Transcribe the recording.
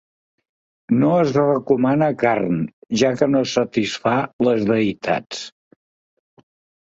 No es recomana carn, ja que no satisfà les deïtats.